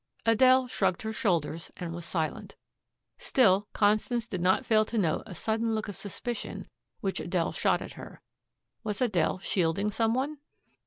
Adele shrugged her shoulders and was silent. Still, Constance did not fail to note a sudden look of suspicion which Adele shot at her. Was Adele shielding some one?